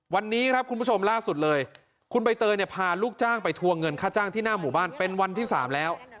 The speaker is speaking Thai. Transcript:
วันนี้ครับคุณผู้ชมล่าสุดเลยคุณใบเตยเนี่ยพาลูกจ้างไปทวงเงินค่าจ้างที่หน้าหมู่บ้านเป็นวันที่๓แล้ว